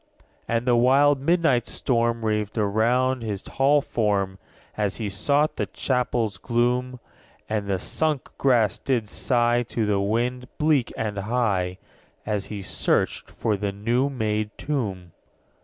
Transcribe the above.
11. And the wild midnight storm Raved around his tall form, _60 As he sought the chapel's gloom: And the sunk grass did sigh To the wind, bleak and high, As he searched for the new made tomb.